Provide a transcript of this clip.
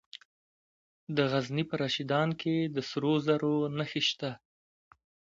د غزني په رشیدان کې د سرو زرو نښې شته.